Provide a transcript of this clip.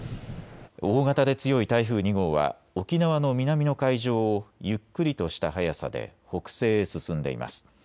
大型で強い台風２号は沖縄の南の海上をゆっくりとした速さで北西へ進んでいます。